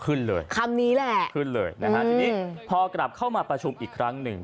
ขึ้นเลยฮะพอกลับเข้ามาประชุมอีกครั้งนึง